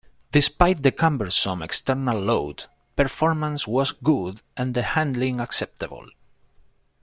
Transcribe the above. Despite the cumbersome external load, performance was good and the handling acceptable.